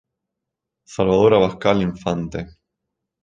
Salvador Abascal Infante.